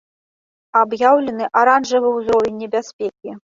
Аб'яўлены аранжавы ўзровень небяспекі.